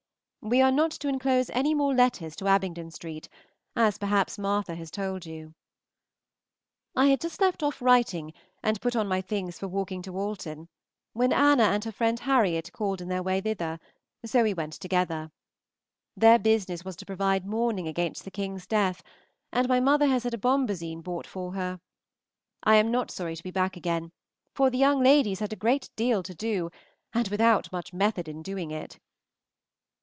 We are not to enclose any more letters to Abingdon Street, as perhaps Martha has told you. I had just left off writing and put on my things for walking to Alton, when Anna and her friend Harriot called in their way thither; so we went together. Their business was to provide mourning against the King's death, and my mother has had a bombazine bought for her. I am not sorry to be back again, for the young ladies had a great deal to do, and without much method in doing it.